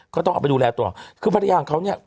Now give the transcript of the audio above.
ก็ต้องเอาไปดูแลต่อคือภรรยาของเขาเนี่ย